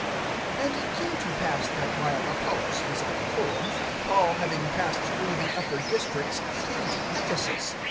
AND it came to pass, that, while Apollos was at Corinth, Paul having passed through the upper districts came to Ephesus.